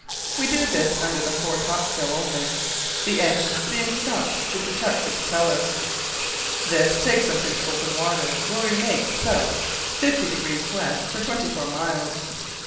We do this under the fore topsail only, the engines being stopped to protect the propeller. This takes us into open water, where we make S. 50° W. for 24 miles.